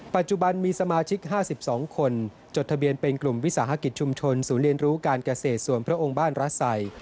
ปัจจุบันมีสมาชิก๕๒คนจดทะเบียนเป็นกลุ่มวิสาหกิจชุมชนศูนย์เรียนรู้การเกษตรส่วนพระองค์บ้านรัฐไส